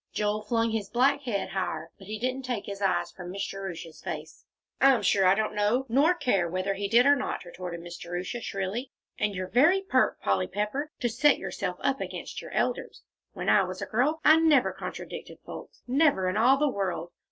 Joel flung his black head higher, but he didn't take his eyes from Miss Jerusha's face. "I'm sure I don't know nor care whether he did or not," retorted Miss Jerusha, shrilly. "And you're very pert, Polly Pepper, to set yourself up against your elders. When I was a little girl I never contradicted folks. Never in all the world!